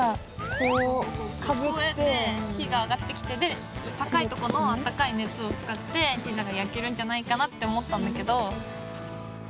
こうやって火が上がってきてで高いとこのあったかい熱を使ってピザが焼けるんじゃないかなって思ったんだけど。